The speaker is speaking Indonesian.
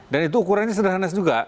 dan itu ukurannya sederhana juga